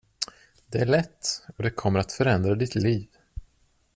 Det är lätt, och det kommer att förändra ditt liv.